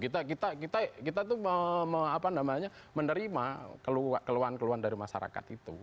kita itu menerima keluhan keluhan dari masyarakat itu